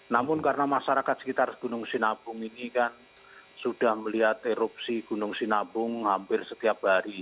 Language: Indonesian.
namun karena masyarakat sekitar gunung sinabung ini kan sudah melihat erupsi gunung sinabung hampir setiap hari